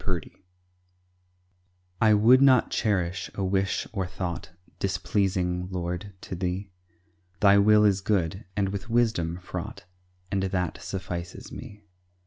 MY REST I would not cherish a wish or thought Displeasing, Lord, to Thee; Thy will is good, and with wisdom fraught, And that suffices me.